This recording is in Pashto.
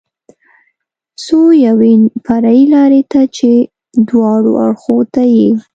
څو یوې فرعي لارې ته چې دواړو اړخو ته یې.